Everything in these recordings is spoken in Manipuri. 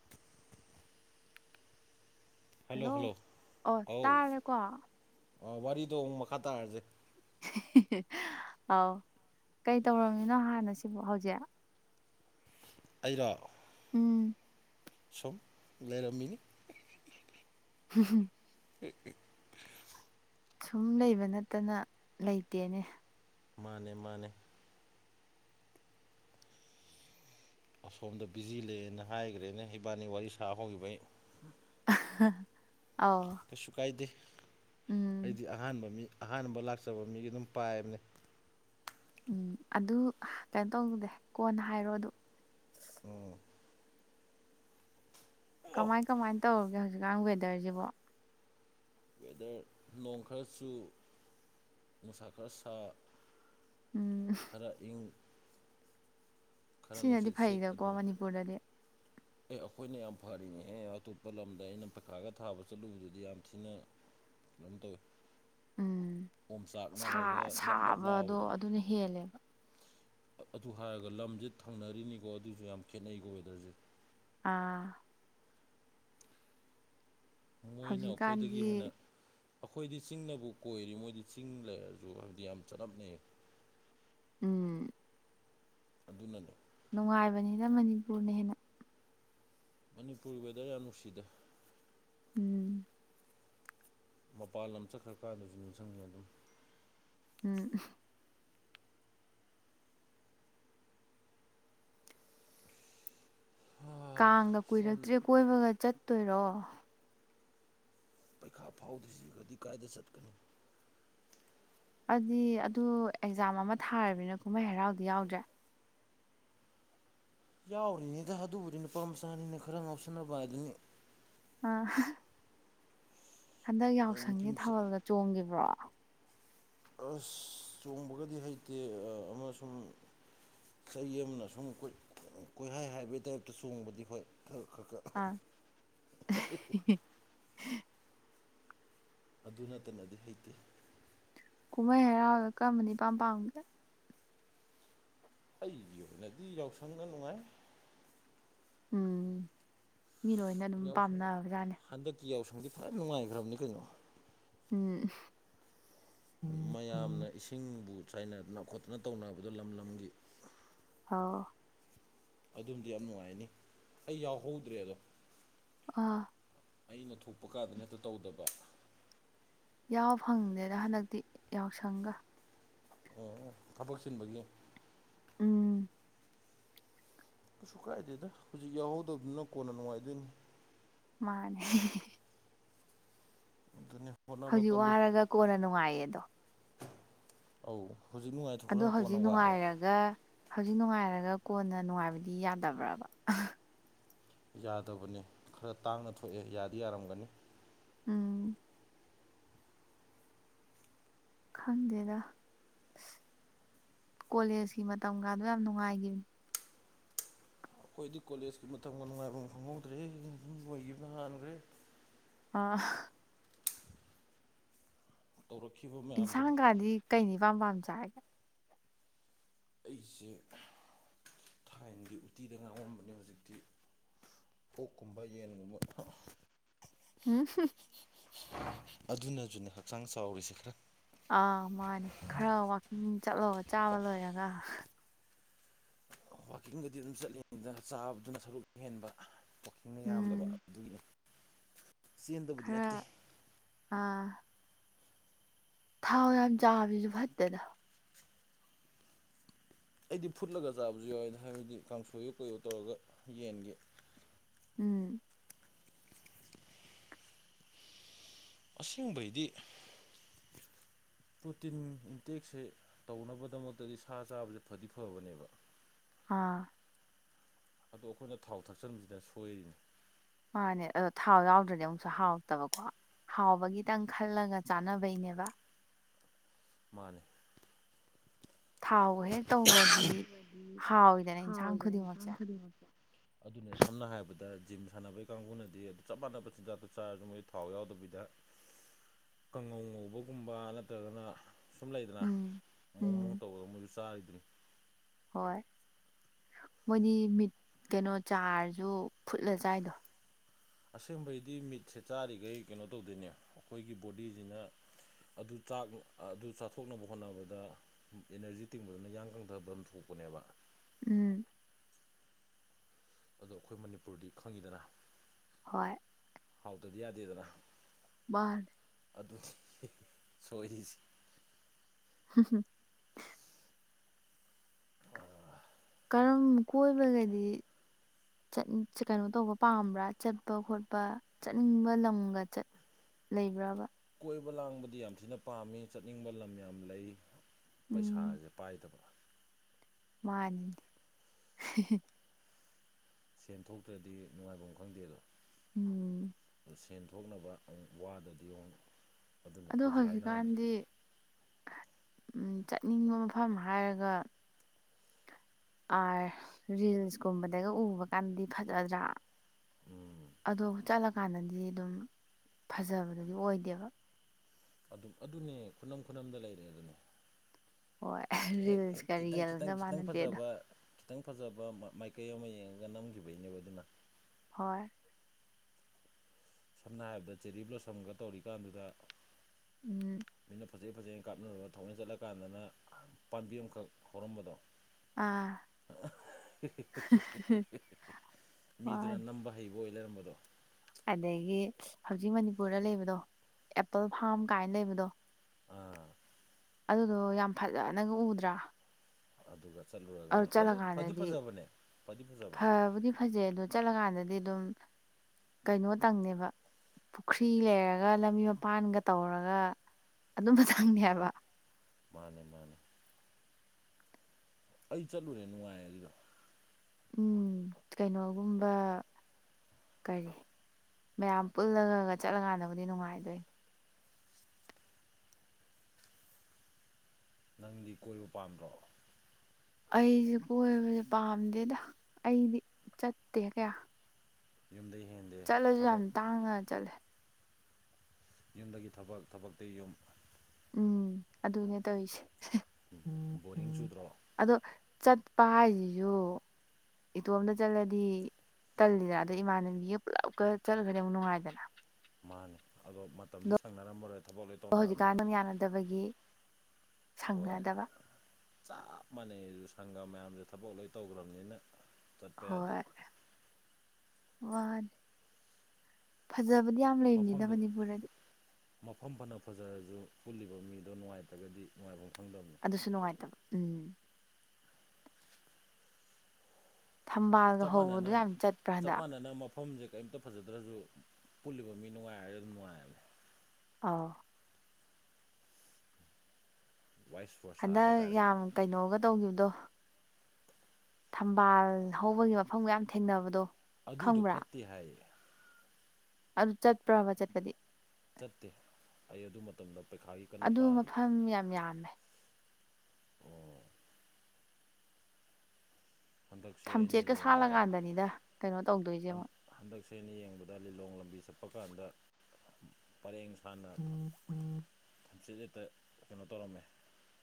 ꯍꯨꯝ ꯍꯜꯂꯣ ꯍꯜꯂꯣ ꯑꯣ ꯑꯧ ꯇꯥꯔꯦꯀꯣ ꯋꯥꯔꯤꯗꯣ ꯑꯃꯨꯛ ꯃꯈꯥ ꯇꯥꯔꯁꯦ ꯑꯥꯎ ꯀꯩ ꯇꯧꯔꯝꯃꯤꯅꯣ ꯍꯥꯟꯅꯁꯤꯕꯨ ꯍꯧꯖꯤꯛ ꯑꯩꯔꯣ ꯎꯝ ꯁꯨꯝ ꯂꯩꯔꯝꯃꯤꯅꯤ ꯍꯨꯍꯨ [inaudible] ꯁꯨꯝ ꯂꯩꯕ ꯅꯠꯇꯅ ꯂꯩꯇꯦꯅꯦ ꯃꯥꯅꯦ ꯃꯥꯅꯦ ꯑꯁꯣꯝꯗ ꯕꯤꯖꯤ ꯂꯩꯅ ꯍꯥꯏꯈ꯭ꯔꯦꯅꯦ ꯏꯕꯥꯅꯤ ꯋꯥꯔꯤ ꯁꯥꯍꯧꯈꯤꯕꯩ ꯑꯍꯍ ꯑꯣ ꯀꯩꯁꯨ ꯀꯥꯏꯗꯦ ꯑꯩꯗꯤ ꯑꯍꯥꯟꯕ ꯃꯤ ꯑꯍꯥꯟꯕ ꯂꯥꯛꯆꯕ ꯃꯤꯒꯤ ꯑꯗꯨꯝ ꯄꯥꯏꯕꯅꯦ ꯎꯝ ꯑꯗꯨ ꯀꯩꯅꯣ ꯇꯧꯗꯦ ꯀꯣꯟꯅ ꯍꯥꯏꯔꯣ ꯑꯗꯨ ꯑ ꯑꯣ ꯀꯃꯥꯏ ꯀꯃꯥꯏꯅ ꯇꯧꯔꯒꯦ ꯍꯧꯖꯤꯛꯀꯥꯟ ꯋꯦꯗꯔꯁꯤꯕꯣ ꯋꯦꯗꯔ ꯅꯣꯡ ꯈꯔ ꯆꯨ ꯅꯨꯡꯁꯥ ꯈꯔ ꯁꯥ ꯎꯝ ꯈꯔ ꯏꯪ ꯈꯔ ꯁꯤꯅꯗꯤ ꯅꯨꯡꯁꯤꯠ ꯁꯤꯠ ꯐꯩꯗꯀꯣ ꯑꯗꯨꯅꯤ ꯃꯅꯤꯄꯨꯔꯗꯗꯤ ꯑꯦ ꯑꯩꯈꯣꯏꯅ ꯌꯥꯝ ꯐꯔꯤꯅꯦꯍꯦ ꯑꯇꯣꯞꯄ ꯂꯝꯗ ꯑꯩꯅ ꯄꯩꯈꯥꯒ ꯊꯥꯕ ꯆꯠꯂꯨꯕꯗꯨꯗꯤ ꯌꯥꯝ ꯊꯤꯅ [unintelligible] ꯎꯝ ꯁꯥ ꯑꯣꯝꯆꯥꯛꯅꯔꯒ ꯅꯞ ꯅꯞ ꯁꯥꯕꯗꯣ ꯂꯥꯎꯕꯗꯣ ꯑꯗꯨꯅ ꯍꯦꯜꯂꯦꯕ ꯑꯗꯨ ꯍꯥꯏꯔꯒ ꯂꯝꯁꯦ ꯊꯪꯅꯔꯤꯅꯤꯀꯣ ꯑꯗꯨꯏꯁꯨ ꯌꯥꯝ ꯈꯦꯠꯅꯩꯀꯣ ꯋꯦꯗꯔꯁꯦ ꯑꯥ ꯃꯣꯏꯅ ꯑꯩꯈꯣꯏꯗꯒꯤ ꯍꯧꯖꯤꯛꯀꯥꯟꯗꯤ ꯍꯦꯟꯅ ꯑꯩꯈꯣꯏꯗꯤ ꯆꯤꯡꯅꯕꯨ ꯀꯣꯏꯔꯤ ꯃꯣꯏꯗꯤ ꯆꯤꯡ ꯂꯩꯔꯁꯨ ꯍꯥꯏꯕꯗꯤ ꯌꯥꯝ ꯆꯅꯞꯅꯩ ꯎꯝ ꯑꯗꯨꯅꯅꯦ ꯅꯨꯡꯉꯥꯏꯕꯅꯤꯅ ꯃꯅꯤꯄꯨꯔꯅ ꯍꯦꯟꯅ ꯃꯅꯤꯄꯨꯔ ꯋꯦꯗꯔ ꯌꯥꯝ ꯅꯨꯡꯁꯤꯗ ꯎꯝ ꯃꯄꯥꯟ ꯂꯝ ꯆꯠꯈ꯭ꯔ ꯀꯥꯟꯗꯁꯨ ꯅꯤꯡꯁꯤꯡꯉꯦ ꯑꯗꯨꯝ ꯎꯝ ꯀꯥꯡꯒ ꯁꯣꯝ ꯀꯨꯏꯔꯛꯇ꯭ꯔꯦ ꯀꯣꯏꯕꯒ ꯆꯠꯇꯣꯏꯔꯣ ꯄꯩꯈꯥ ꯐꯥꯎꯗ꯭ꯔꯤꯁꯤꯒꯗꯤ ꯀꯗꯥꯥꯏꯗ ꯆꯠꯀꯅꯤ ꯑꯗꯨꯗꯤ ꯑꯗꯨ ꯑꯦꯛꯖꯥꯝ ꯑꯃ ꯊꯥꯔꯕꯅꯤꯅ ꯀꯨꯝꯍꯩ ꯍꯔꯥꯎꯗꯤ ꯌꯥꯎꯗ꯭ꯔꯦ ꯌꯥꯎꯔꯤꯉꯗ ꯑꯗꯨꯕꯨꯗꯤ ꯅꯨꯄꯥ ꯃꯆꯥꯅꯤꯅ ꯈꯔ ꯉꯥꯎꯁꯟꯅꯕ ꯍꯥꯏꯗꯨꯅꯤ ꯑ ꯍꯟꯗꯛ ꯅꯨꯄꯤ ꯌꯥꯎꯁꯪꯒꯤ ꯃꯆꯥ ꯊꯥꯕꯜꯒ ꯆꯣꯡꯈꯤꯕ꯭ꯔꯣ ꯑꯁ ꯆꯣꯡꯕꯒꯗꯤ ꯍꯩꯇꯦ ꯑꯃ ꯁꯨꯝ ꯆꯩ ꯑꯃꯅ ꯁꯨꯝ ꯀꯣꯏꯍꯥꯏ ꯍꯥꯏꯕꯩ ꯇꯥꯏꯞꯇ ꯆꯣꯡꯕꯗꯤ ꯍꯣꯏ ꯈꯔ ꯈꯔ ꯈꯔ ꯑꯥ ꯍꯦꯍꯦ ꯑꯗꯨ ꯅꯠꯇꯅꯗꯤ ꯍꯩꯇꯦ ꯀꯨꯝꯍꯩ ꯍꯔꯥꯎꯗ ꯀꯔꯝꯕꯅ ꯏꯄꯥꯝ ꯄꯥꯝꯒꯦ ꯑꯩꯒꯤ ꯑꯣꯏꯅꯗꯤ ꯌꯥꯎꯁꯪꯅ ꯅꯨꯡꯉꯥꯏ ꯎꯝ ꯃꯤ ꯂꯣꯏꯅ ꯑꯗꯨꯝ ꯌꯥꯎꯁꯪ ꯄꯥꯝꯅꯕꯖꯥꯠꯅꯦ ꯍꯟꯗꯛꯀꯤ ꯌꯥꯎꯁꯪꯗꯤ ꯐꯟ ꯅꯨꯡꯉꯥꯏꯈ꯭ꯔꯕꯅꯤ ꯀꯩꯅꯣ ꯎꯝ ꯃꯌꯥꯝꯅ ꯏꯁꯤꯡꯕꯨ ꯆꯥꯏꯅꯗꯅ ꯈꯣꯠꯇꯅ ꯇꯧꯅꯕꯗꯣ ꯂꯝ ꯂꯝꯒꯤ ꯑꯧ ꯑꯗꯨꯝꯗꯤ ꯌꯥꯝ ꯅꯨꯡꯉꯥꯏꯅꯤ ꯑꯩ ꯌꯥꯎꯍꯧꯗ꯭ꯔꯦ ꯑꯗꯣ ꯑꯥ ꯑꯩꯅ ꯊꯣꯛꯄ ꯀꯥꯟꯗ ꯍꯦꯛꯇ ꯇꯧꯗꯕ ꯌꯥꯎ ꯐꯪꯗꯦꯗ ꯍꯟꯗꯛꯇꯤ ꯌꯥꯎꯁꯪꯒ ꯑꯣ ꯑꯣ ꯊꯕꯛ ꯆꯤꯟꯕꯒꯤ ꯎꯝ ꯀꯩꯁꯨ ꯀꯥꯏꯗꯦꯗ ꯍꯧꯖꯤꯛ ꯌꯥꯎꯍꯧꯗꯕꯗꯨꯅ ꯀꯣꯟꯅ ꯅꯨꯡꯉꯥꯏꯗꯣꯏꯅꯤ ꯃꯥꯅꯦ ꯈꯪꯉꯦ ꯍꯧꯖꯤꯛ ꯋꯥꯔꯒ ꯀꯣꯟꯅ ꯅꯨꯡꯉꯥꯏꯌꯦꯗꯣ ꯑꯧ ꯍꯧꯖꯤꯛ ꯅꯨꯉꯥꯏ ꯑꯗꯣ ꯍꯧꯖꯤꯛ ꯅꯨꯡꯉꯥꯏꯔꯒ ꯍꯧꯖꯤꯛ ꯅꯨꯡꯉꯥꯏꯔꯒ ꯀꯣꯟꯅ ꯅꯨꯡꯉꯥꯏꯕꯗꯤ ꯌꯥꯗꯕ꯭ꯔꯕ ꯌꯥꯗꯕꯅꯤ ꯈꯔ ꯇꯥꯡꯅ ꯊꯣꯛꯑꯦ ꯌꯥꯗꯤ ꯌꯥꯔꯝꯒꯅꯤ ꯎꯝ ꯈꯪꯗꯦꯗ ꯑ ꯀꯣꯂꯦꯖꯀꯤ ꯃꯇꯝꯒꯗꯣ ꯌꯥꯝ ꯅꯨꯡꯉꯥꯏꯒꯤ ꯑꯩꯈꯣꯏꯗꯤ ꯀꯣꯂꯦꯖꯀꯤ ꯃꯇꯝꯒ ꯅꯨꯡꯉꯥꯏꯐꯝ ꯐꯪꯍꯧꯗ꯭ꯔꯦ ꯂꯣꯏꯒꯤꯕꯅ ꯍꯥꯟꯒ꯭ꯔꯦ ꯑ ꯇꯧꯔꯛꯈꯤꯕ ꯃꯌꯥꯝꯗꯣ ꯏꯟꯁꯥꯡꯒꯥꯗꯤ ꯀꯩꯅ ꯏꯄꯥꯝ ꯄꯥꯝ ꯆꯥꯏ ꯑꯩꯁꯦ ꯊꯥꯏꯅꯗꯤ ꯎꯇꯤꯗ ꯉꯥꯎꯔꯝꯕꯅꯦ ꯍꯧꯖꯤꯛꯇꯤ ꯑꯣꯛꯀꯨꯝꯕ ꯌꯦꯟꯒꯨꯝꯕ [unintelligible] ꯑꯗꯨꯅꯖꯨꯅꯦ ꯍꯛꯆꯥꯡ ꯆꯥꯎꯔꯤꯁꯦ ꯈꯤꯇꯪ ꯑꯥ ꯃꯥꯅꯦ ꯈꯔ ꯋꯥꯛꯀꯤꯡ ꯆꯠꯂꯣ ꯆꯥꯕ ꯂꯣꯏꯔꯒ ꯋꯥꯀꯤꯡꯒꯗꯤ ꯑꯗꯨꯝ ꯆꯠꯂꯤꯅꯤꯗ ꯆꯥꯕꯗꯨꯅ ꯁꯔꯨꯛ ꯍꯦꯟꯕ ꯋꯥꯀꯤꯡꯅ ꯌꯥꯝꯗꯕ ꯎꯝ ꯑꯗꯨꯒꯤꯅꯦ ꯆꯦꯟꯗꯕꯗꯤ ꯅꯠꯇꯦ ꯈꯔ ꯑꯥ ꯊꯥꯎ ꯌꯥꯝ ꯆꯥꯕꯖꯨ ꯐꯠꯇꯦꯗ ꯑꯩꯗꯤ ꯐꯨꯠꯂꯒ ꯆꯥꯕꯁꯨ ꯌꯥꯎꯋꯦꯗ ꯍꯥꯏꯕꯗꯤ ꯀꯥꯡꯁꯣꯏꯌꯨ ꯀꯩꯌꯨ ꯇꯧꯔꯒ ꯌꯦꯟꯒꯤ ꯎꯝ ꯑꯁꯦꯡꯕꯩꯗꯤ [unintelligible] [inaudible] ꯄ꯭ꯔꯣꯇꯤꯟ ꯏꯟꯇꯦꯛꯁꯦ ꯇꯧꯅꯕꯗꯃꯛꯇꯗꯤ ꯁꯥ ꯆꯥꯕꯁꯦ ꯐꯗꯤ ꯐꯕꯅꯦꯕ ꯑꯥ ꯑꯗꯣ ꯑꯩꯈꯣꯏꯅ ꯊꯥꯎ ꯊꯛꯆꯟꯕꯁꯤꯅ ꯁꯣꯏꯔꯤꯅꯤ ꯃꯥꯅꯦ ꯑꯗꯣ ꯊꯥꯎ ꯌꯥꯎꯗ꯭ꯔꯗꯤ ꯑꯃꯨꯛꯁꯨ ꯍꯥꯎꯇꯕꯀꯣ ꯍꯥꯎꯕꯒꯤꯇꯪ ꯈꯜꯂꯒ ꯆꯥꯅꯕꯩꯅꯦꯕ ꯃꯥꯅꯦ ꯊꯥꯎ ꯍꯦꯛ ꯇꯧꯒ꯭ꯔꯗꯤ ꯗꯤ ꯍꯥꯎꯋꯤꯗꯅ ꯏꯟꯁꯥꯡ ꯈꯨꯗꯤꯡꯃꯛꯁꯦ ꯑꯗꯨꯅ ꯁꯝꯅ ꯍꯥꯏꯔꯕꯗ ꯖꯤꯝ ꯁꯥꯟꯅꯕꯩ ꯀꯥꯡꯕꯨꯅꯗꯤ ꯑꯗꯨ ꯆꯞ ꯃꯥꯟꯅꯕ ꯆꯤꯟꯖꯥꯛꯇ ꯆꯥꯔꯁꯨ ꯃꯣꯏ ꯊꯥꯎ ꯌꯥꯎꯗꯕꯤꯗ [inaudible] ꯀꯡꯉꯧ ꯉꯧꯕꯒꯨꯝꯕ ꯅꯠꯇ꯭ꯔꯒꯅ ꯁꯨꯝ ꯂꯩꯗꯅ ꯎꯝ ꯃꯑꯣꯡ ꯃꯑꯣꯡ ꯎꯝ ꯇꯧꯕꯗ ꯃꯣꯏꯁꯨ ꯆꯥꯔꯤꯗꯨꯅꯤ ꯍꯣꯏ ꯃꯣꯏꯗꯤ ꯃꯤꯠ ꯀꯩꯅꯣ ꯆꯥꯔꯖꯨ ꯐꯨꯠꯂ ꯆꯥꯏꯗꯣ ꯑꯁꯦꯡꯕꯩꯗꯤ ꯃꯤꯠꯁꯦ ꯆꯥꯔꯤꯒꯩ ꯀꯩꯅꯣ ꯇꯧꯗꯣꯏꯅꯦ ꯑꯩꯈꯣꯏꯒꯤ ꯕꯣꯗꯤꯁꯤꯅ ꯑꯗꯨ ꯆꯥꯛ ꯑꯗꯨ ꯆꯥꯊꯣꯛꯅꯕ ꯍꯣꯠꯅꯕꯗ ꯑꯦꯅꯔꯖꯤ ꯇꯤꯡꯕꯗꯨꯅ ꯌꯥꯡ ꯀꯪꯊꯐꯝ ꯊꯣꯛꯄꯅꯦꯕ ꯎꯝ ꯑꯗꯣ ꯑꯩꯈꯣꯏ ꯃꯅꯤꯄꯨꯔꯗꯤ ꯈꯪꯉꯤꯗꯅ ꯍꯣꯏ ꯍꯥꯎꯇꯕꯗꯤ ꯌꯥꯗꯦꯗꯅ ꯃꯥꯅꯤ ꯑꯗꯨꯅꯤ ꯁꯣꯏꯔꯤꯖꯦ ꯍꯨꯝ ꯍꯨꯝ ꯑꯥ ꯀꯔꯝ ꯀꯣꯏꯕꯒꯗꯤ ꯆꯠ ꯀꯩꯅꯣ ꯇꯧꯕ ꯄꯥꯝꯕ꯭ꯔꯥ ꯆꯠꯄ ꯈꯣꯠꯄ ꯆꯠꯅꯤꯡꯕ ꯂꯝꯒ ꯆꯠ ꯂꯩꯕ꯭ꯔꯕ ꯀꯣꯏꯕ ꯂꯥꯡꯕꯗꯤ ꯌꯥꯝ ꯊꯤꯅ ꯄꯥꯝꯃꯤ ꯆꯠꯅꯤꯡꯕ ꯂꯝ ꯌꯥꯝ ꯂꯩ ꯎꯝ ꯄꯩꯁꯥꯖꯦ ꯄꯥꯏꯗꯕ ꯃꯥꯅꯤ ꯁꯦꯟ ꯊꯣꯛꯇ꯭ꯔꯗꯤ ꯅꯨꯡꯉꯥꯏꯕꯝ ꯈꯪꯗꯦꯗꯣ ꯎꯝ ꯑꯗꯨ ꯁꯦꯟ ꯊꯣꯛꯅꯕ ꯑꯃꯨꯛ ꯋꯥꯗꯗꯤ ꯑꯃꯨꯛ ꯑꯗꯨꯅꯤ ꯑꯗꯣ ꯍꯧꯖꯤꯛ ꯍꯥꯏꯅꯔꯝꯕꯗꯣ ꯍꯧꯖꯤꯛꯀꯥꯟꯗꯤ ꯎꯝ ꯆꯠꯅꯤꯡꯕ ꯃꯐꯝ ꯍꯥꯏꯔꯒ ꯑꯥꯔ ꯔꯤꯜꯁꯀꯨꯝꯕꯗꯒ ꯎꯕ ꯀꯥꯟꯗꯗꯤ ꯐꯖꯗ꯭ꯔꯥ ꯑꯗꯣ ꯆꯠꯂꯀꯥꯟꯗꯗꯤ ꯗꯨꯝ ꯐꯖꯕꯗꯨꯗꯤ ꯑꯣꯏꯗꯦꯕ ꯑꯗꯨ ꯑꯗꯨꯅꯦ ꯈꯨꯅꯝ ꯈꯨꯅꯝꯗ ꯂꯩꯔꯦ ꯗꯨꯅꯤ ꯍꯣꯏ ꯍꯦꯛ ꯍꯦꯛ ꯔꯤꯜꯁꯀ ꯈꯤꯇꯪ ꯈꯤꯇꯪ ꯔꯤꯌꯦꯜꯒ ꯈꯤꯇꯪ ꯃꯥꯟꯅꯗꯦꯗꯣ ꯐꯖꯕ ꯈꯤꯇꯪ ꯐꯖꯕ ꯃ ꯃꯥꯏꯀꯩ ꯑꯃ ꯌꯦꯡꯉꯒ ꯅꯝꯈꯤꯕꯩꯅꯦꯕ ꯗꯨꯅ ꯍꯣꯏ ꯁꯝꯅ ꯍꯥꯏꯔꯕꯗ ꯆꯦꯔꯤ ꯕ꯭ꯂꯣꯁꯝꯒ ꯇꯧꯔꯤꯀꯥꯟꯗꯨꯗ ꯎꯝ ꯃꯤꯅ ꯐꯖꯩ ꯐꯖꯩꯅ ꯀꯥꯞꯅꯔꯨꯔ ꯊꯧꯑꯣꯏꯟ ꯆꯠꯂꯀꯥꯟꯗꯅ ꯄꯥꯝꯕꯤ ꯑꯝꯈꯛ ꯍꯧꯔꯝꯕꯗꯣ ꯑꯥ ꯍꯣꯏ ꯃꯤꯗꯨꯅ ꯅꯝꯕ ꯍꯩ ꯕ ꯑꯣꯏ ꯂꯩꯔꯝꯕꯗꯣ ꯑꯗꯒꯤ ꯍꯧꯖꯤꯛ ꯃꯅꯤꯄꯨꯔꯗ ꯂꯩꯕꯗꯣ ꯑꯦꯄꯜ ꯐꯥꯝ ꯀꯥꯏꯅ ꯂꯩꯕꯗꯣ ꯑꯥ ꯑꯗꯨꯗꯣ ꯌꯥꯝ ꯐꯖꯅꯒ ꯎꯗ꯭ꯔꯥ ꯑꯗꯨꯒ ꯆꯠꯂꯨꯔꯥ ꯑꯗꯨ ꯆꯠꯂꯀꯥꯟꯗꯗꯤ ꯐꯖꯕꯅꯦ ꯐꯕꯨꯗꯤ ꯐꯖꯩ ꯑꯗꯨ ꯆꯠꯂꯀꯥꯟꯗꯗꯤ ꯗꯨꯝ ꯀꯩꯅꯣ ꯇꯪꯅꯦꯕ ꯄꯨꯈ꯭ꯔꯤ ꯂꯩꯔꯒ ꯂꯝꯕꯤ ꯃꯄꯥꯟꯒ ꯇꯧꯔꯒ ꯑꯗꯨꯝꯕ ꯇꯡꯅꯦ ꯍꯥꯏꯕ ꯃꯥꯅꯦ ꯃꯥꯅꯦ ꯑꯩ ꯆꯠꯂꯨꯔꯦ ꯅꯨꯡꯉꯥꯏ ꯑꯗꯨꯗꯣ ꯎꯝ ꯀꯩꯅꯣꯒꯨꯝꯕ ꯀꯔꯤ ꯃꯌꯥꯝ ꯄꯨꯜꯂꯒ ꯆꯠꯂꯀꯥꯟꯗꯕꯨꯗꯤ ꯅꯨꯡꯉꯥꯏꯗꯣꯏꯅꯤ ꯅꯪꯗꯤ ꯀꯣꯏꯕ ꯄꯥꯝꯗ꯭ꯔꯣ ꯑꯩꯁꯦ ꯀꯣꯏꯕꯁꯦ ꯄꯥꯝꯗꯦꯗ ꯑꯩꯗꯤ ꯆꯠꯇꯦ ꯀꯌꯥ ꯌꯨꯝꯗꯩ ꯍꯦꯟꯗꯦ ꯆꯠꯂꯖꯨ ꯌꯥꯝ ꯊꯕꯛ ꯇꯥꯡꯅ ꯆꯠꯂꯦ ꯌꯨꯝꯗꯒꯤ ꯊꯕꯛ ꯊꯕꯛꯇꯒꯤ ꯌꯨꯝ ꯎꯝ ꯑꯗꯨꯅꯦ ꯇꯧꯔꯤꯁꯦ [unintelligible] [unintelligible] ꯕꯣꯔꯤꯡ ꯆꯨꯗ꯭ꯔꯣ ꯑꯗꯣ ꯆꯠꯄ ꯍꯥꯏꯁꯤꯌꯣ ꯏꯇꯣꯝꯇ ꯆꯠꯂꯗꯤ ꯇꯜꯂꯤꯗꯅ ꯑꯗꯣ ꯏꯃꯥꯟꯅꯕꯤꯒ ꯄꯨꯂꯞꯀ ꯆꯠꯂꯒꯗꯤ ꯑꯃꯨꯛ ꯅꯨꯡꯉꯥꯏꯗꯅ ꯃꯥꯅꯤ ꯑꯗꯣ ꯃꯇꯝꯗꯤ ꯁꯪꯅꯔꯝꯃꯔꯣꯏ ꯊꯕꯛ ꯂꯣꯏ ꯑ ꯍꯧꯖꯤꯛꯀꯥꯟ ꯇꯧꯅꯔꯕꯅꯤꯅ ꯑꯗꯨꯝ ꯌꯥꯅꯗꯕꯒꯤ ꯍꯣꯏ ꯁꯪꯅꯗꯕ ꯆꯞ ꯃꯥꯟꯅꯩ ꯑꯗꯨ ꯁꯪꯒꯥ ꯃꯌꯥꯝꯁꯤꯁꯨ ꯊꯕꯛ ꯂꯣꯏ ꯇꯧꯈ꯭ꯔꯕꯅꯤꯅ ꯆꯠꯄ ꯌꯥꯗꯦ ꯍꯣꯏ ꯃꯥꯅꯦ ꯐꯖꯕꯗꯤ ꯌꯥꯝ ꯂꯩꯕꯅꯤꯗ ꯃꯐꯝꯗꯣ ꯃꯅꯤꯄꯨꯔꯗꯗꯤ ꯃꯐꯝ ꯐꯅ ꯐꯖꯔꯁꯨ ꯄꯨꯜꯂꯤꯕ ꯃꯤꯗꯣ ꯅꯨꯡꯉꯥꯏꯇ꯭ꯔꯒꯗꯤ ꯅꯨꯡꯉꯥꯏꯐꯝ ꯈꯪꯗꯕꯅꯤ ꯑꯗꯨꯁꯨ ꯅꯨꯡꯉꯥꯏꯇꯕ ꯎꯝ ꯊꯝꯕꯥꯜꯒ ꯆꯞ ꯍꯧꯕꯗꯣ ꯃꯥꯟꯅꯅ ꯌꯥꯝ ꯆꯠꯄ꯭ꯔꯥ ꯆꯞ ꯍꯟꯗꯛ ꯃꯥꯟꯅꯅ ꯃꯐꯝꯁꯦ ꯀꯔꯤꯝꯇ ꯐꯖꯗ꯭ꯔꯁꯨ ꯄꯨꯜꯂꯤꯕ ꯃꯤ ꯅꯨꯡꯉꯥꯏꯔꯒꯗꯤ ꯑꯗꯨꯝ ꯅꯨꯡꯉꯥꯏꯕꯅꯦ ꯑꯥꯎ ꯋꯥꯏꯐ ꯍꯟꯗꯛ ꯌꯥꯝ ꯀꯩꯅꯣꯒ ꯇꯧꯈꯤꯕꯗꯣ ꯊꯝꯕꯥꯜ ꯍꯧꯕꯒꯤ ꯃꯐꯝ ꯃꯌꯥꯝ ꯊꯦꯡꯅꯕꯗꯣ ꯑꯗꯨꯏꯗꯣ ꯈꯪꯕ꯭ꯔꯥ ꯐꯠꯇꯦ ꯍꯥꯏꯌꯦ ꯑꯗꯨ ꯆꯠꯄ꯭ꯔꯥ ꯕ ꯆꯠꯄꯗꯤ ꯆꯠꯇꯦ ꯑꯩ ꯑꯗꯨ ꯃꯇꯝꯗ ꯄꯩꯈꯥꯒꯤ ꯀꯟꯅ ꯑꯗꯨ ꯄꯥꯔꯤ ꯃꯐꯝ ꯌꯥꯝ ꯌꯥꯝꯃꯦ ꯑꯣ ꯍꯟꯗꯛꯁꯦ ꯑꯩꯅ ꯊꯝꯆꯦꯠꯀ ꯌꯦꯡꯕꯗ ꯁꯥꯠꯂꯀꯥꯟꯗꯅꯤꯗ ꯀꯩꯅꯣ ꯇꯧꯗꯣꯏꯁꯦ ꯍꯟ ꯑꯃꯨꯛ ꯍꯟꯗꯛꯁꯦ ꯑꯩꯅ ꯌꯦꯡꯕꯗ ꯂꯤꯂꯣꯡ ꯂꯝꯕꯤ ꯆꯠꯄ ꯀꯥꯟꯗ ꯄꯔꯦꯡ ꯁꯥꯟꯅ ꯍꯪꯆꯦꯠ ꯍꯦꯠꯇ ꯀꯩꯅꯣ ꯇꯧꯔꯝꯃꯦ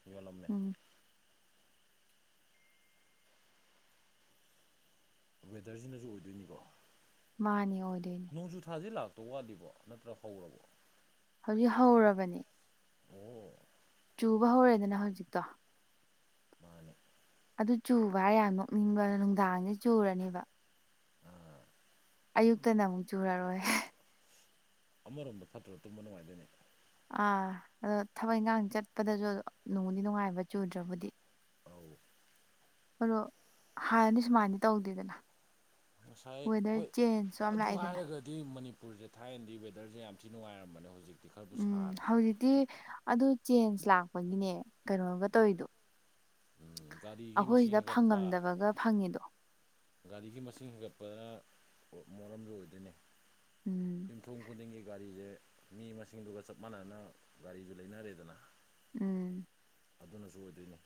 ꯌꯣꯜꯂꯝꯃꯦ ꯎꯝ ꯋꯦꯗꯔꯁꯤꯅꯖꯨ ꯑꯣꯏꯗꯣꯏꯅꯤꯀꯣ ꯃꯥꯅꯤ ꯑꯣꯏꯗꯅꯤ ꯅꯣꯡꯖꯨꯊꯥꯁꯦ ꯂꯥꯛꯇꯧ ꯋꯥꯠꯂꯤꯕꯣ ꯅꯠꯇ꯭ꯔ ꯍꯧꯔꯕꯣ ꯍꯧꯖꯤꯛ ꯍꯧꯔꯕꯅꯦ ꯑꯣ ꯆꯨꯕ ꯍꯧꯔꯦꯗꯅ ꯍꯧꯖꯤꯛꯇꯣ ꯃꯥꯅꯦ ꯑꯗꯨ ꯆꯨꯕ ꯍꯥꯏ ꯌꯥꯝ ꯅꯣꯛꯅꯤꯡꯕꯅ ꯅꯨꯡꯗꯥꯡꯁꯦ ꯆꯨꯔꯅꯦꯕ ꯎꯝ ꯑꯌꯨꯛꯇꯅ ꯑꯃꯨꯛ ꯆꯨꯔꯔꯣꯏ ꯑꯃꯔꯣꯝꯗ ꯐꯠꯇ꯭ꯔꯣ ꯇꯨꯝꯕ ꯅꯨꯡꯉꯥꯏꯗꯣꯏꯅꯤ ꯑꯥ ꯑꯗꯣ ꯊꯕꯛ ꯏꯪꯈꯥꯡ ꯆꯠꯄꯗꯁꯨ ꯑ ꯅꯨꯡꯗꯤ ꯅꯨꯡꯉꯥꯏꯕ ꯆꯨꯗ꯭ꯔꯕꯨꯗꯤ ꯑꯥꯎ ꯑꯗꯣ ꯍꯥꯟꯅꯗꯤ ꯁꯨꯃꯥꯏꯅ ꯇꯧꯗꯦꯗꯅ ꯉꯁꯥꯏ ꯋꯦꯗꯔ ꯍꯣꯏ ꯆꯦꯟꯖꯁꯨ ꯌꯥꯝ ꯑꯗꯨ ꯂꯥꯛꯑꯦꯗꯅ ꯍꯥꯏꯔꯒ ꯗꯤ ꯃꯅꯤꯄꯨꯔꯖꯦ ꯊꯥꯏꯅꯗꯤ ꯋꯦꯗꯔꯖꯦ ꯌꯥꯝ ꯊꯤ ꯅꯨꯡꯉꯥꯏꯔꯝꯕꯅꯦ ꯍꯧꯖꯤꯛ ꯎꯝ ꯍꯧꯖꯤꯛꯇꯤ ꯑꯗꯨ ꯆꯦꯟꯖꯁ ꯂꯥꯛꯄꯒꯤꯅꯦ ꯀꯩꯅꯣꯒ ꯇꯧꯔꯤꯗꯣ ꯒꯥꯔꯤꯒꯤ ꯑꯩꯈꯣꯏꯖꯤꯗ ꯃꯁꯤꯡ ꯍꯦꯟꯒꯠꯄ ꯐꯪꯉꯝꯗꯕꯒ ꯐꯪꯉꯤꯗꯣ ꯒꯥꯔꯤꯒꯤ ꯃꯁꯤꯡ ꯍꯦꯟꯒꯠꯄꯗ ꯃꫭꯟꯗ ꯑꯣꯏꯗꯣꯏꯅꯦ ꯎꯝ ꯌꯨꯝꯊꯣꯡ ꯈꯨꯗꯤꯡꯒꯤ ꯒꯥꯔꯤꯖꯦ ꯃꯤ ꯃꯁꯤꯡꯗꯨꯒ ꯆꯞ ꯃꯥꯟꯅꯅ ꯒꯥꯔꯤꯖꯨ ꯂꯩꯅꯔꯦꯗꯅ ꯎꯝ ꯑꯗꯨꯅꯁꯨ ꯑꯣꯏꯗꯣꯏꯅꯦ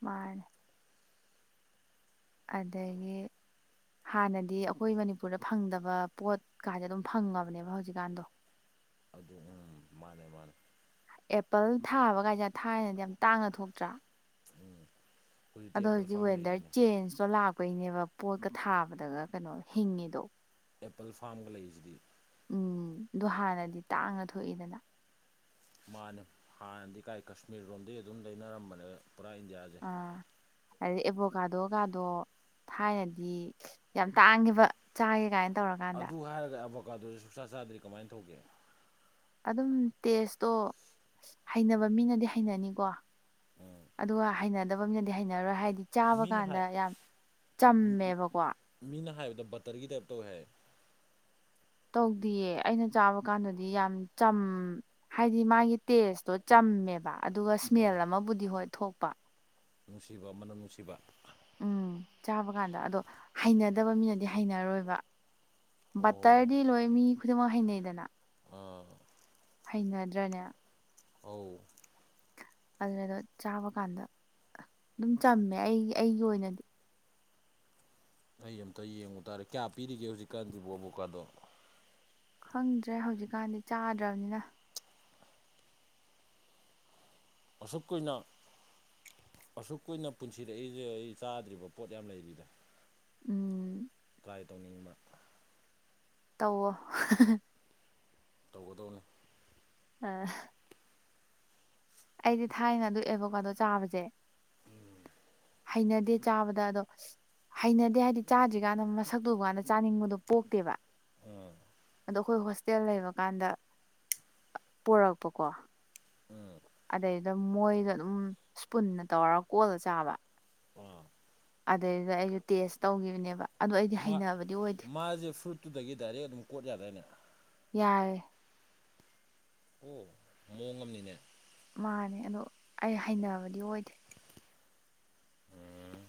ꯃꯥꯅꯦ ꯑꯗꯒꯤ ꯍꯥꯟꯅꯗꯤ ꯑꯩꯈꯣꯏ ꯃꯅꯤꯄꯨꯔꯗ ꯐꯪꯗꯕ ꯄꯣꯠꯀꯥꯖꯦ ꯑꯗꯨꯝ ꯐꯪꯉꯕꯅꯦꯕ ꯍꯧꯖꯤꯛꯀꯥꯟꯗꯣ ꯑꯗꯨ ꯎꯝ ꯃꯥꯅꯦ ꯃꯥꯅꯦ ꯑꯦꯄꯜ ꯊꯥꯕ ꯀꯥꯏꯖꯦ ꯊꯥꯏꯅꯗꯤ ꯌꯥꯝ ꯇꯥꯡꯅ ꯊꯣꯛꯇ꯭ꯔꯥ ꯎꯝ ꯍꯧꯖꯤꯛꯇꯤ ꯑꯗꯣ ꯑꯦꯄꯜ ꯍꯧꯖꯤꯛ ꯐꯥꯔꯝ ꯋꯦꯗꯔ ꯂꯩꯗꯣꯏꯅꯤ ꯆꯦꯟꯖꯁꯇꯣ ꯂꯥꯛꯄꯩꯅꯦꯕ ꯄꯣꯠꯀ ꯊꯥꯕꯗꯒ ꯀꯩꯅꯣ ꯍꯤꯡꯉꯤꯗꯣ ꯑꯦꯄꯜ ꯐꯥꯝꯒ ꯂꯩꯔꯤꯖꯤꯗꯤ ꯎꯝ ꯗꯨ ꯍꯥꯟꯅꯗꯤ ꯇꯥꯡꯅ ꯊꯣꯛꯏꯗꯅ ꯃꯥꯅꯦ ꯍꯥꯟꯅꯗꯤ ꯀꯥꯏ ꯀꯁꯃꯤꯔ ꯂꯣꯝꯗꯩ ꯑꯗꯨꯝ ꯂꯩꯅꯔꯝꯕꯅꯦ ꯄꯨꯔꯥ ꯏꯟꯗꯤꯌꯥꯖꯦ ꯑꯥ ꯑꯗꯩ ꯑꯦꯕꯣꯀꯥꯗꯣ ꯀꯥꯗꯣ ꯊꯥꯏꯅꯗꯤ ꯌꯥꯝ ꯇꯥꯡꯉꯦꯕ ꯆꯥꯏꯌꯦ ꯀꯥꯏꯅ ꯇꯧꯔꯒ ꯑꯗꯨ ꯍꯥꯏꯔꯒ ꯑꯕꯣꯀꯥꯗꯨꯖꯨ ꯁꯨꯡꯆꯥ ꯆꯥꯗ꯭ꯔꯤ ꯀꯃꯥꯏꯅ ꯇꯧꯒꯦ ꯑꯗꯨꯝ ꯇꯦꯁꯇꯣ ꯍꯩꯅꯕ ꯃꯤꯅꯗꯤ ꯍꯩꯅꯅꯤꯀꯣ ꯎꯝ ꯑꯗꯨꯒ ꯍꯩꯅꯗꯕ ꯃꯤꯅꯗꯤ ꯍꯩꯅꯔꯣꯏ ꯍꯥꯏꯗꯤ ꯆꯥꯕ ꯃꯤꯅ ꯀꯥꯟꯗ ꯍꯥꯏ ꯌꯥꯝ ꯆꯝꯃꯦꯕꯀꯣ ꯃꯤꯅ ꯍꯥꯏꯕꯗ ꯕꯇꯔꯒꯤ ꯇꯥꯏꯞꯇ ꯇꯧꯋꯦ ꯍꯥꯏꯌ‌ꯦ ꯇꯧꯗ‌ꯦꯌꯦ ꯑꯩꯅ ꯆꯥꯕ ꯀꯥꯟꯗꯗꯤ ꯌꯥꯝ ꯆꯝ ꯍꯥꯏꯗꯤ ꯃꯥꯒꯤ ꯇꯦꯁꯇꯣ ꯆꯝꯃꯦꯕ ꯑꯗꯨꯒ ꯑꯥ ꯏꯁꯃꯦꯜ ꯑꯃꯕꯨꯗꯤ ꯍꯣꯏ ꯊꯣꯛꯄ ꯅꯨꯡꯁꯤꯕ ꯃꯅꯝ ꯅꯨꯡꯁꯤꯕ ꯎꯝ ꯆꯥꯕ ꯀꯥꯟꯗ ꯑꯗꯣ ꯍꯩꯅꯗꯕ ꯃꯤꯅꯗꯤ ꯍꯩꯅꯔꯣꯏꯕ ꯑꯣ ꯕꯇꯔꯗꯤ ꯂꯣꯏ ꯃꯤ ꯈꯨꯗꯤꯡꯃꯛ ꯍꯩꯅꯩꯗꯅ ꯑꯥ ꯍꯩꯅꯗ꯭ꯔꯅꯦ ꯑꯧ ꯑꯗꯨꯗꯣ ꯆꯥꯕ ꯀꯥꯟꯗ ꯑꯗꯨꯝ ꯆꯝꯃꯦ ꯑꯩ ꯑꯩꯒꯤ ꯑꯣꯏꯅꯗꯤ ꯑꯩ ꯑꯃꯝꯇ ꯌꯦꯡꯉꯨ ꯇꯥꯔꯦ ꯀꯌꯥ ꯄꯤꯔꯤꯒꯦ ꯍꯧꯖꯤꯛꯀꯥꯟꯖꯤꯕꫭ ꯑꯦꯕꯣꯀꯥꯗꯣ ꯈꯪꯗ꯭ꯔꯦ ꯍꯧꯖꯤꯛꯀꯥꯟꯗꯤ ꯆꯥꯗ꯭ꯔꯕꯅꯤꯅ ꯑꯁꯨꯛ ꯀꯨꯏꯅ ꯑꯁꯨꯛ ꯀꯨꯏꯅ ꯄꯨꯟꯁꯤꯗ ꯑꯩ ꯆꯥꯗ꯭ꯔꯤꯕ ꯄꯣꯠ ꯌꯥꯝ ꯂꯩꯔꯤꯗ ꯎꯝ ꯇ꯭ꯔꯥꯏ ꯇꯧꯅꯤꯡꯕ ꯇꯧꯋꯣ ꯇꯧꯒꯗꯧꯅꯦ ꯑꯥ ꯑꯩꯗꯤ ꯊꯥꯏꯅ ꯑꯗꯨ ꯑꯦꯕꯣꯀꯥꯗꯣ ꯆꯥꯕꯖꯦ ꯎꯝ ꯍꯩꯅꯗꯦ ꯆꯥꯕꯗ ꯑꯗꯣ ꯍꯩꯅꯗꯦ ꯍꯥꯏꯗꯤ ꯆꯥꯗ꯭ꯔꯤꯀꯥꯟꯗ ꯃꯁꯛꯇꯨ ꯎꯀꯥꯟꯗ ꯆꯥꯅꯤꯡꯕꯗꯣ ꯄꯣꯛꯇꯦꯕ ꯑꯥ ꯑꯗꯣ ꯑꯩꯈꯣꯏ ꯍꯣꯁꯇꯦꯜ ꯂꯩꯕꯀꯥꯟꯗ ꯄꯣꯔꯛꯄꯀꯣ ꯑꯥ ꯑꯗꯩꯗ ꯃꯣꯏꯅ ꯑꯗꯨꯝ ꯏꯁꯄꯨꯟꯅ ꯇꯧꯔ ꯀꯣꯠꯂꯥ ꯆꯥꯕ ꯑꯥ ꯑꯗꯩꯩꯗꯨꯗ ꯑꯩꯖꯨ ꯇꯦꯁ ꯇꯧꯒꯤꯕꯥꯅꯦꯕ ꯃꯥ ꯃꯥꯖꯦ ꯐ꯭ꯔꯨꯠꯇꯨꯗꯒꯤ ꯗꯥꯏꯔꯦꯛ ꯑꯗꯨꯝ ꯀꯣꯠ ꯌꯥꯗꯏꯅꯦ ꯌꯥꯏꯌ‌ꯦ ꯑꯣ ꯃꯑꯣꯡ ꯑꯃꯅꯤꯅꯦ ꯃꯥꯟꯅꯦ ꯑꯗꯣ ꯑꯩ ꯍꯩꯅꯕꯗꯤ ꯑꯣꯏꯗꯦ ꯎꯝ